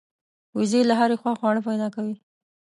وزې له هرې خوا خواړه پیدا کوي